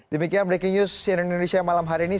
demikian breaking news cnn indonesia malam hari ini